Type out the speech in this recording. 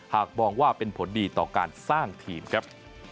หากมองว่าเป็นผลดีต่อการสร้างทีมครับ